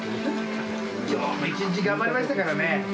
きょうも１日頑張りましたからね。